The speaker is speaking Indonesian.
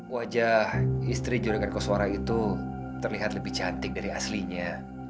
wajah istri jurikan kosora itu terlihat lebih cantik dari aslinya